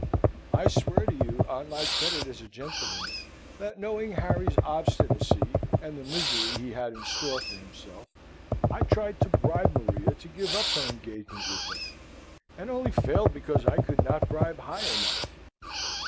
I swear to you, on my credit as a gentlewoman, that, knowing Harry's obstinacy, and the misery he had in store for himself, I tried to bribe Maria to give up her engagement with him, and only failed because I could not bribe high enough!